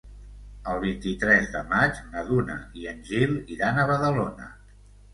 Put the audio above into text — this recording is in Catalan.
El vint-i-tres de maig na Duna i en Gil iran a Badalona.